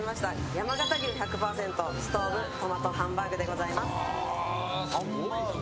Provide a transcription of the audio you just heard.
山形牛１００％ストウブトマトハンバーグでございます。